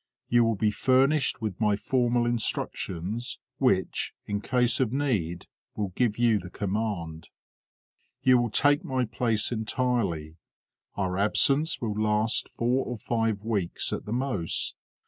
You will be furnished with my formal instructions, which, in case of need, will give you the command. You will take my place entirely. Our absence will last four or five weeks at the most.